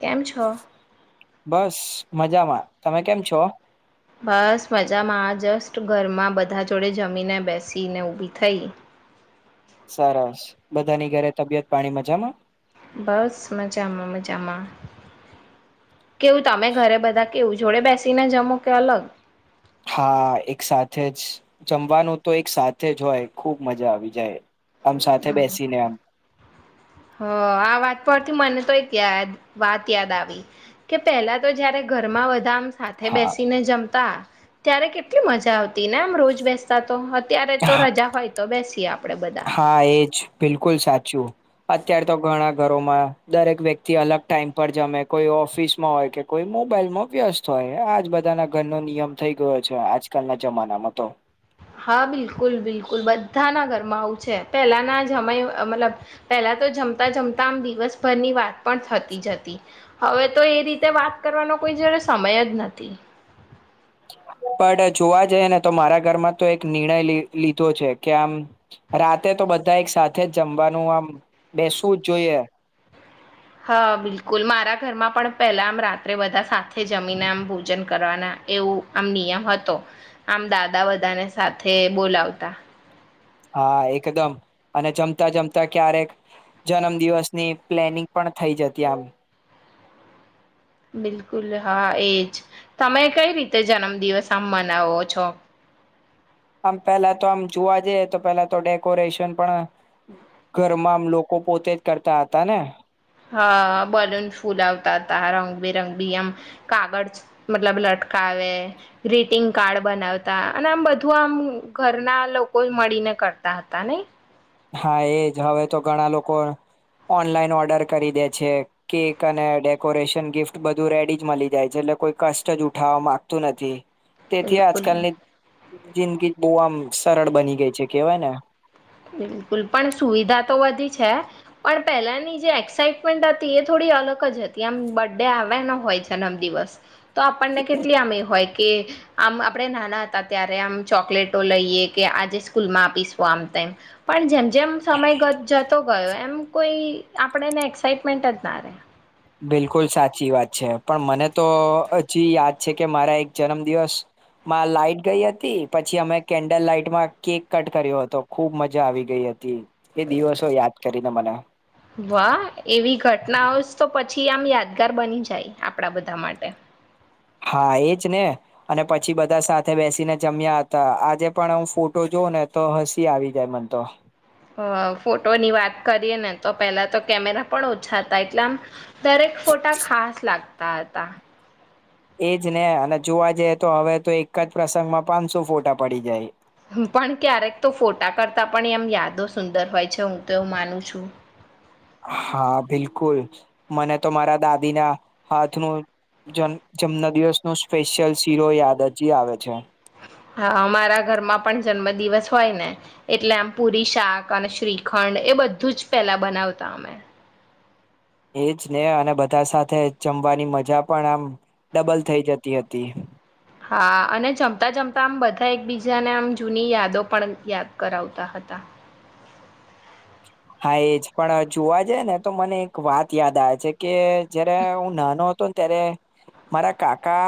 કેમ છો બસ મજામાં તમે કેમ છો બસ મજામાં જસ્ટ ઘરમાં બધા જોડે જમીને બેસીને ઉઊભી થઈ સરસ બધાની ઘરે તબિયત પાણી મજામાં બસ મજા આમાં મજામાં કેવું તમે ઘરે બધા કેવું જોડે બેસીને જમો કે અલગ હા એક સાથે જ જમવાનું તો એક સાથે જ હોય ખૂબ મજા આવી જાય આમ સાથે બેસીને આમ હ આ વાત પરથી મને તો એક યાદ વાત યાદ આવી કે પહેલા તો જયારે ઘરમાં ધામ સાથે હા બેસીને જમતા ત્યારે કેટલી મજા આવતી ને આમ રોજ બેસતા તો ત્યારે તો રજા હોય તો બેસી આપ હા એજ બિલકુલ સાચું અત્યાર તો ઘણા ઘરોમાં દરેક વ્યક્તિ અલગ ટાઈમ પર જમે કોઈ ઓફિસમાં હોય કે કોઈ મોબાઈલમાં વ્યસ્ત હોય આજ બધાના ઘરનો નિયમ થઈ ગયો છે આજકાલના જમાનામાં તો હા બિલકુલ બિલકુલ બધાના ઘરમાં આવું છે પહેલાના સમય મતલબ પહેલા તો જમતા જમતા આમ દિવસભરની વાત પણ થતી જ હતી હવે તો એ રીતે વાત કરવાનો કોઈ જ્યારે સમય જ નથી પણ જોવા જઈએ ને તો મારા ઘરમાં તો એક નિર્ણય લીધો છે કે આમ રાતે તો બધા એક સાથે જ જમવાનું આમ બેસવું જ જોઈએ હા બિલકુલ મારા ઘરમાં પણ પહેલા આમ રાત્રે બધા સાત જમીન એમ ભોજન કરવાના એવું આમ નિયમ હતો આમ દાદા બધાને સાથે બોલાવતા હા એકદમ અને જમતા જમતા ક્યારેક જન્મદિવસની પ્લેનિંગ પણ થઇ જતી આમ બિલકુલ હા એજ તમે કઈ રીતે જન્મદિવસ આમ મનાવો છો આમ પેલા તો આમ જોવા જઈએ તો પેલા તો ડેકોરેશન પણ ઘરમાંમ લોકો પોતે જ કરતા હતા ને હા બલૂન ફૂલાવતા હતા રંગબેરંગ બી આમ કાગળ મતલબ લટકાવે ગ્રીટિંગ કાર્ડ બનાવતા અને આમ બધું આમ ઘરના લોકો મળીને કરતા હતા નને હા એજ હવે તો ઘણા લોકો ઓનલાઈન ઓર્ડર કરી દે છે કેક અને ડેકોરેશન ગિફ્ટ બધું રેડી જ મળી જાય છે એટલે કોઈ કષ્ટ જ ઉઠાવવા માંગતું નથી તેથી બિલકુલ આજકાલની જિંદગી બહુ આમ સરળ બની ગઈ છે કેવાય ને બિલકુલ પણ સુવિધા તો વધી છે પણ પહેલાની જે એક્સાઈટમેન્ટ હતી એ થોડી અલગ જ હતી આમ બર્ ડે આવનો હોય જન્મદિવસ તો આપણને કેટલી આમ હોય કે આમ આપણે નાના હતા ત્યારે આમ ચોકલેટો લઈએ કે આજે સ્કૂલમાં આપીશું આમ તેમમ પણ જેમ જેમ સમય જતો ગયો એમ કોઈ આપણેને એક્સાઈટમેન્ટ જ ના રહેે બિલકુલ સાચી વાત છે પણ મને તો હજી યાદ છે કે મારા એક જન્મ દિવસમાં લાાઈટ ગઈ હતી પછી અમે કેન્ડલ લાાઈટમાં કેક કટ કર્યો હતો ખુબ મજા આવી ગઈ હતી એ દિવસો યાદ કરીને મને વાહ એવી ઘટનાઓ જ તો પછી આમ યાદગાર બની જાય આપણા બધા માટે હા એજ ને અને પછી બધા સાથે બેસીને જમ્યા હતા આજે પણ હું ફોટો જોઉં ને તો હસી આવી જાય મન તો હ ફોટોની વાત કરીએ ને તો પેલા તો કેમેરા પણ ઓછા હતા એટલે આમ દરેક ફોટા ખાસ લાગ ત હતા એજ ને અને જોવા જઈએ તો હવે તો એક જ પ્રસંગમાં પાંચસો ફોટા પડી જાય પણ ક્યારેક તો ફોટા કરતા પણ એમ યાદો સુંદર હોય છે હું તો એવું માનું છું હા બિલકુલ મને તો મારા દાદીના હાથ ન જન્મદિવસ નું સ્પેશિયલ શીરો યાદ હજી આવે છે હા અમારા ઘરમાં પણ જન્મ દિવસ હોય ને એટલે આમ પુરી શાક અને શ્રીખંડ એ બધું જ પેલા બનાવતા અમે એજ ને અને બધા સાથે જમવાની મજા પણ આમ ડબલ થઈ જતી હતી હા અને જમતા જમતા આમ બધા એકબીજાને આમ જૂની યાદો પણ યાદ કરાવતા હતા હા એજ પણ જોવા જઈ ને તો મને એક વાત યાદ આવે છે કે જયારે હું નાનો હતો ને ત્યારે મારા કાકા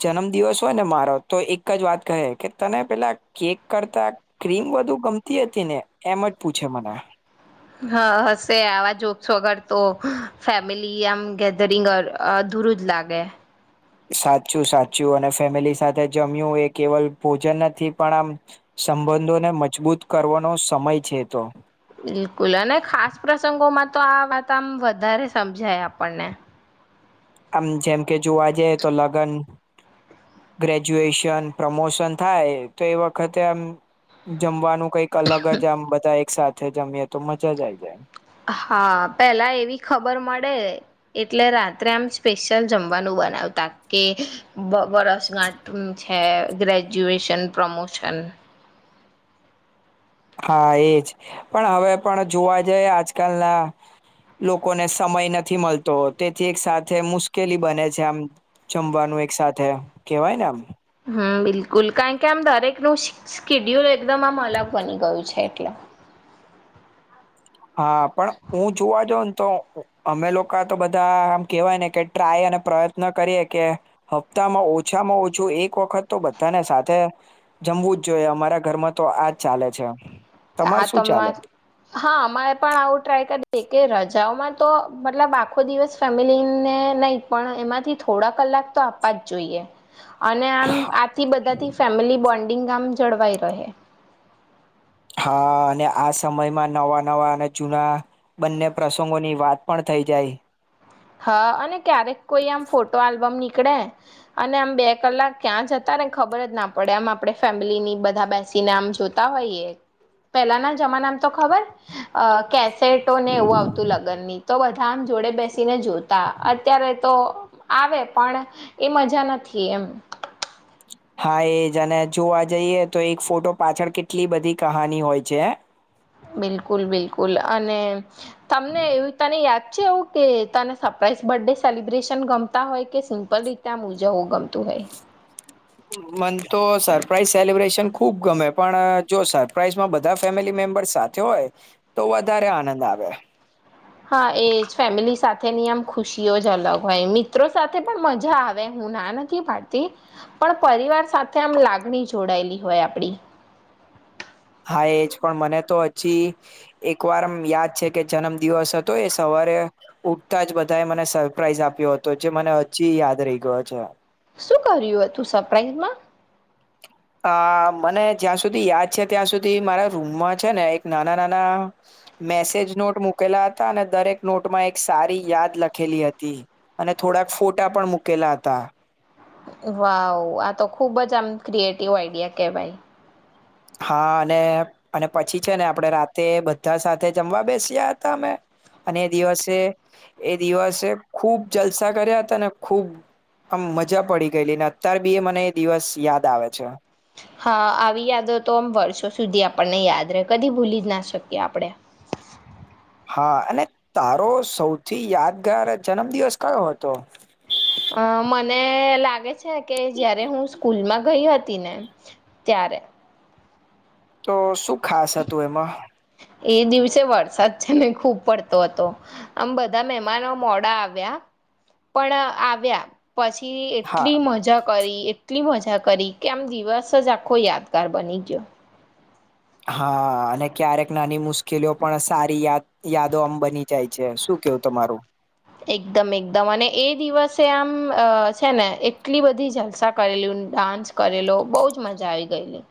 જન્મ દિવસ હોય ને મારો તો એક જ વાત કહે કે તને પેલા કેક કરતા ક્રીમ બધુ ગમતી હતી ને એમ પૂછે મને હા હશે આવા જોક્સ વગર તો ફેમિલી આમ ગેધરિંગ અધૂરું જ લાગે સાચું સાચું અને ફેમિલી સાથે જમ્યું એ કેવલ ભોજન નથી પણ આમ સંબંધોને મજબૂત કરવાનો સમય છે તો બિલકુલ અને ખાસ પ્રસંગોમાં તો આ વાત આમ વધારે સમજાય આપણને આમ જેમ કે જોવા જઈ તો લગ્ન ગ્રેજ્યુએશન પ્રમોશન થાય તો એ વખતે આમ જમવાનું કંઈક અલગ જ આમ બધા એક સાથે જમીએ તો મજા જ આઈ જાય હા પેલા એવી ખબર મળે એટલે રાત્રે આમ સ્પેશિયલ જમવાનું બનાવતા કે વરસગાંઠ છે ગ્રેજ્યુએશન પ્રમોશન હા એજ પણ હવે પણ જોવા જઈએ આજકાલના લોકોને સમય નથી મળતો તેથી એક સાથે મુશ્કેલી બને છે આમ જમવાનું એક સાથે કેહેવાય ને આમ હમ બિલકુલ કારણ કે આમ દરેકનું સ્કિડ્યુલ એકદમ આમ અલગ બની ગયું છે એટલે હા પણ હું જોવા જ તો અમે લોકો તો બધા આમ કેવાય ને કે ટ્રાય અને પ્રયત્ન કરીએ કે હપ્તામાં ઓછામાં ઓછું એક વખત તો બધાને સાથે જમવું જ જોઈએ અમારા ઘરમાં તો આજ ચાલે છે તમાર હ શું તમા ચાલે હા તમારે પણ આવું ટ્રાય કરી કે રજાઓમાં તો મતલબ આખો દિવસ ફેમિલીને નહી પણ એમાંથી થોડા કલાક તો આપવા જ જોઈએ અને આમ આથી બધાથી ફેમિલી બોન્ડ ગામ જળવાઈ રહે હા અને આ સમયમાં નવા નવા અને જૂના બંને પ્રસંગોની વાત પણ થઈ જાય હા અને ક્યારેક કોઈ આમ ફોટો આલ્બમ ની અને આમ બે કલાક ક્યાં જતા ને ખબર જ ના પડેમ આપણે ફેમિલી ની બધા બેસીને આમ જોતા હોઈએ પેલાના જમાનામ તો ખબર કે સેટો ને એવું આવતું લગનની જ તો બધા આમ જોડે બે ને જોતા અત્યારે તો આવે પણ એ મજા નથી એમ હા એજ અને જોવા જઈએ તો એક ફોટો પાછળ કેટલી બધી કહાની હોય છે બિલકુલ બિલકુલ અને તમને એું તને યાદ વાત છેું કે તને સરપ્રાઈઝ બર્થડે સેલિબ્રેશન ગમતા હોય કે સિમ્પલ રીતે આ મુજવું ગમતું હોય મન તો સરપ્રાાઈઝ સેલિબ્રેશન ખુબ ગમે પણ જો સરપ્રાાઈઝમાં બધા ફેમિલી મેમ્બર્સ સાથે હોય તો વધારે આનંદ આવે હા એજ ફેમિલી સાથેની આમ ખુશીઓ જ અલગ હોય મિત્રો સાથે પણ મજા આવે હું ના નથી પાડતી પણ પરિવાર સાથે આમ લાગણી જોડાયેલી હોય આપડી હા એજ પણ મને તો હજી એક વાર યાદ છે કે જન્મદિવસ હતો એ સવારે ઉઠતા જ બધાએ મને સરપ્રાાઈઝ આપ્યો હતો જે મને હજી યાદ રહી ગયો છે શું કર્યું તું સરપ્રાઈઝમાં આ મને જ્યાં સુધી યાદ છે ત્યાં સુધી મારા રૂમમાં છે ને એક નાના નાના મેસેજ નોટ મૂકેલા હતા અને દરેક નોટમાં એક સારી યાદ લખેલી હતી અને થોડાક ફોટા પણ મૂકેલા હતા વાહ આ તો ખુબ જ આમ ક્રિએટિવ આઈડિયા કે ભાઈ હા અને અને પછી છે ને આપણે રાતે બધા સાથે જમવા બેસ્યા હતા અમે અને એ દિવસે એ દિવસે ખૂબ જલસા કર્યા હતા ને ખૂબ આમ મજા પડી ગયેલી ને અત્યાર બી એ મને એ દિવસ યાદ આવે છે હા આવી યાદો તો આમ વર્ષો સુધી આપણને યાદ રહે કદી ભૂલી જ ના શકીએ આપણેે હા અને તારો સૌથી યાદગાર જન્મદિવસ કયો હતો અ મને લાગે છે કે જયારે હું સ્કૂલમાં ગઈ હતી ને ત્યારે તો શું ખાસ હતું એમાં એ દિવસે વરસાદ છે મેને ખૂબ પડતો હતો આમ બધા મહેમાનો મોડા આવ્યા પણ આવ્યા પછી હા એટલી મજા કરી એટલી મજા કરી કે આમ દિવસ જ આખો યાદગાર બની ગયો હા અને ક્યારેક નાની મુશ્કેલીઓ પણ સારી યાદ યાદો આમ બની જાય છે શું કેવું તમારું એકદમ એકદમ અને એ દિવસે આમ છે ને એટલી બધી જલસા કરેલી ડાન્સ કરેલો બહજ મજા આવી ગયેલી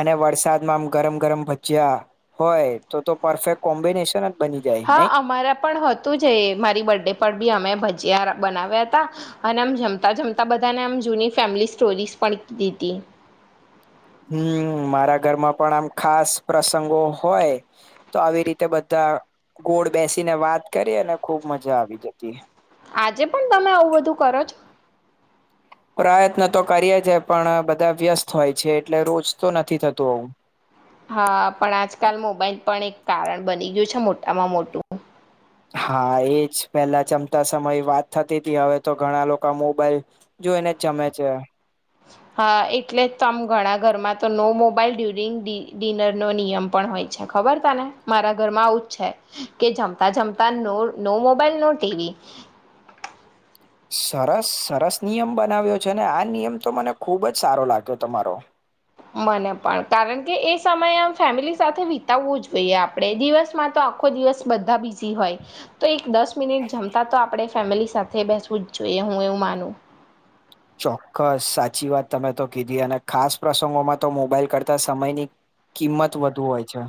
અને વરસાદમાં આમ ગરમ ગરમ ભજીયા હોય તો તો પરફેક્ટ કોમ્બિનેશન બની જાય હા નહી અમારા પણ હતું જ મારી બર્થડે પર બી અમે બનાવ્યા હતા અને આમ જમતા જમતા બધાને આમ જૂની ફેમિલી સ્ટોરીઝ પણ કીીી હમ મારા ઘરમાં પણ આમ ખાસ પ્રસંગો હોય તો આવી રીતે બધા ગોળ બેસીને વાત કરી અને ખુબ મજા આવી જતી આજે પણ તમે આવું બધું કરો છો પ્રયત્ન તો કરીએ જ પણ બધા વ્યસ્ત હોય છે એટલે રોજ તો નથી થતું આવું હા પણ આજકાલ મોબાઈલ પણ એક કારણ બની ગયું છે મોટામાં મોટું હા એજ પેલા જમતા સમય વાત થતી હતી હવે તો ઘણા લોકો મોબાઈલ જોઈને જમે છે હા એટલે તો આમ ઘણા ઘરમાં તો નો મોબાઈલ ડ્યુરિંગ ડિનર નો નિયમ પણ હોય છે ખબર તા ને મારા ઘરમાં આવું જ છે કે જમતા જમતા નો મોબાઈલ નો ટીવી સરસ સરસ નિયમ બનાવ્યો છે અનેને આ નિયમ તો મને ખુબ જ સારો લાગ્યો તમારો મને પણ કારણ કે એ સમયે આમ ફેમિલી સાથે વિતાવવું જ જોઈએ આપણે દિવસમાં તો આખો દિવસ બધા બિઝી હોય તો એક દસ મિનિટ જમતા તો આપણે ફેમિલી સાથે બેસવું જ જોઈએ હું એવું માનું ચોક્કસ સાચી વાત તમે તો કીધી અને ખાસ પ્રસંગોમાં તો મોબાઈલ કરતા સમયની કિંમત વધુ હોય છે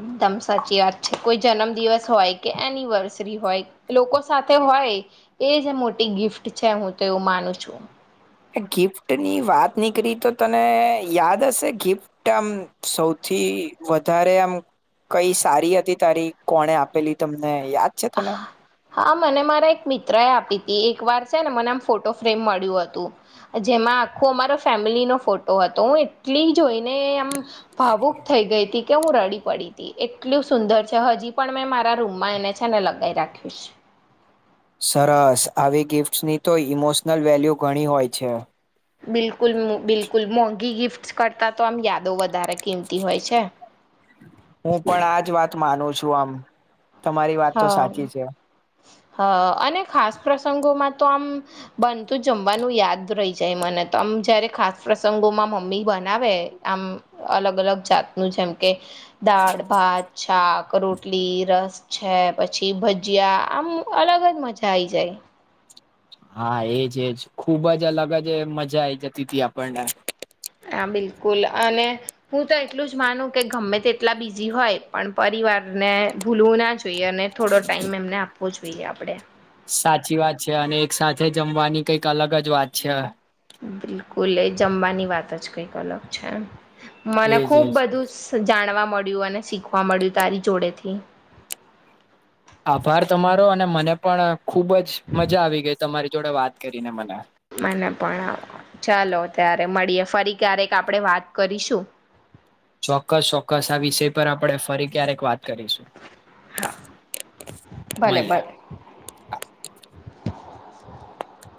એકદમ સાચી વાત છે કોઈ જન્મ દિવસ હોય કે એનિવર્સરી હોય લોકો સાથે હોય એ જ મોટી ગિફ્ટ છે હું તો એવું માનું છું ગિફ્ટ ની વાત નીકળ તો તને યાદ હશે ગિફ્ટ આમ સૌથી વધારે આમ કઈ સારી હતી તારી કોણે આપેલી તમને યાદ છે તને હા મને મારા એક મિત્ર એ આપી એક વાર છે ને મને આમ ફોટો ફ્રેમ મળ્યું હતું જેમાં આખું અમારો ફેમિલીનોો ફોટો હતો હું એટલી જોઈને આમ ભાવુક થઈ ગઈ હતી કે હું રડી પડી ત એટલું સુંદર છે હજી પણ મેં મારા રૂમમાં એને અછાને લગાવી રાખીશ સરસ આવી ગિફ્ટ્સની તો ઇમોશનલ વેલ્યુ ઘણી હોય છે બિલકુલ બિલકુલ મોગી ગિફ્ટસ કરતા તો આમ યાદો વધારે કિમતી હોય છે પછ આમ તમારી વાત તો સાચી છે હ અને ખાસ પ્રસંગોમાં તો આમ બનતું જમવાનું યાદ રહી જાય મને તો આમ જયારે ખાસ પ્રસંગોમાં મમ્મી બનાવે આમ અલગ અલગ જાતનું જેમ કે દાળ ભાત શાક રોટલી રસ છે પછી ભજીયા આમ અલગ જ મજા આઈ જાય હા એજ એજ ખુબ જ અલગ જ મજા એ જતી હતી આપણને હા બિલકુલ અને હું તો એટલું જ માનું કે ગમે તે એટલા બીઝ હોય પણ પરિવારને ભૂલવું ના જ સુઈ અને થોડો ટાઈમ એમને આપો આપવ જોઈએ આપણે સાચી વાત છે અને એક સાથે જમવાની કઈક અલગ જ વાત છે બિલકુલ એ જમવાની વાત જ કઈક અલગ છે એમ મને એજ ખુબ એજ બધું જાણવા મળ્યું અને શીખવા મળ્યું તારી જોડેથી ને મને પણ ખુબ જ મજા આવી ગઈ તમારી જોડે વાત કરીને મને મને પણ ચાલો ત્યારે મળીએે ફરી ક્યારેક આપણે વાત કરીશું. ચોક્કસ ચોક્કસ આ વિષય પર આપણે ફરી ક્યારેક વાત કરીશું હા ભલે મલીએ ભલે. [inaudible]